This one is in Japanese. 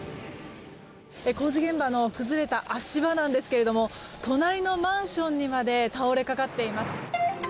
工事現場の崩れた足場なんですが隣のマンションにまで倒れかかっています。